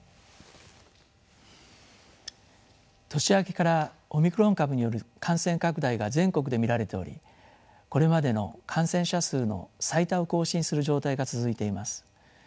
年明けからオミクロン株による感染拡大が全国で見られておりこれまでの感染者数の最多を更新する状態が続いています。